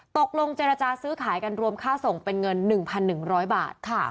ตกลงเจรจาซื้อขายกันรวมค่าส่งเป็นเงิน๑๑๐๐บาท